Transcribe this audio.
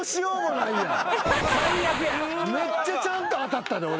めっちゃちゃんと当たったで俺。